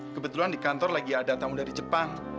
kebetulan di kantor lagi ada tamu dari jepang